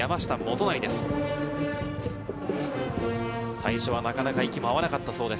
最初はなかなか息も合わなかったそうです。